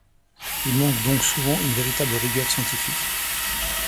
Il manque donc souvent une véritable rigueur scientifique.